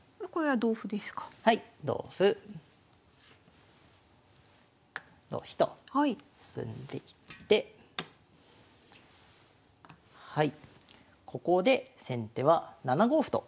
はい同歩同飛と進んでいってはいここで先手は７五歩と。